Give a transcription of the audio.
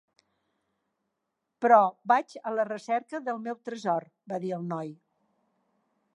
"Però vaig a la recerca del meu tresor", va dir el noi.